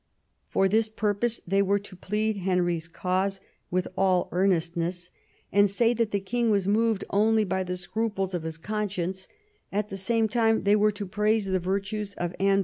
For this purpose they were to plead Henry's cause with all earnestness, and say that the king was moved only by the scruples of his conscience; at the same time they were to praise the virtue^ qI Aime M 162 THOMAS WOLSEY ^ chap.